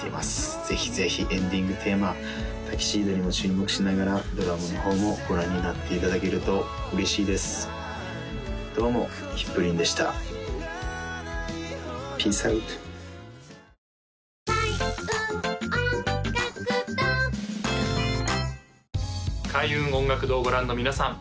ぜひぜひエンディングテーマ「タキシード」にも注目しながらドラマの方もご覧になっていただけると嬉しいですどうもＨｉｐｌｉｎでしたピースアウト開運音楽堂をご覧の皆さん